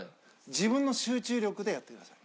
自分の集中力でやってください。